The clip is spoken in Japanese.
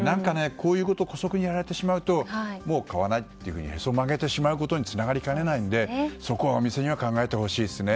こういうことを姑息にやられてしまうともう買わないとへそを曲げてしまうことにつながりかねないのでそこはお店には考えてほしいですね。